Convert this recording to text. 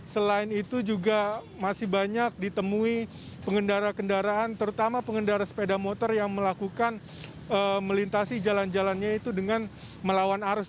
selain itu juga masih banyak ditemui pengendara kendaraan terutama pengendara sepeda motor yang melakukan melintasi jalan jalannya itu dengan melawan arus